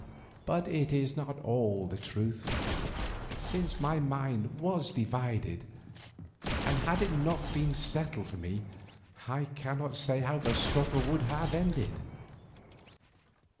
But it is not all the truth, since my mind was divided, and had it not been settled for me, I cannot say how the struggle would have ended.